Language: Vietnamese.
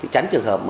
chánh trường hợp